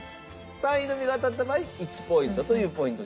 ３位のみが当たった場合１ポイントというポイントに。